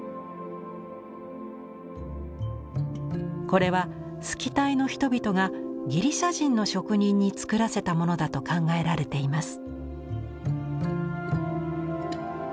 これはスキタイの人々がギリシャ人の職人に作らせたものだと考えられています。